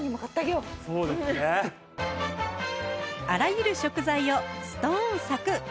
あらゆる食材をストーンサクッ！